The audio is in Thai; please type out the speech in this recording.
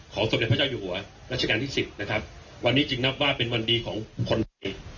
สมเด็จพระเจ้าอยู่หัวรัชกาลที่สิบนะครับวันนี้จึงนับว่าเป็นวันดีของคนไทย